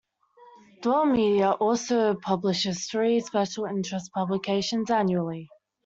Dwell Media also publishes three special interest publications annually.